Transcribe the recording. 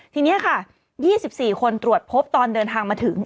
ทีนี้ค่ะ๒๔คนตรวจพบตอนเดินทางมาถึง